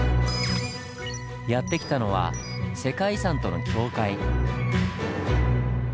やって来たのは世界遺産との境界。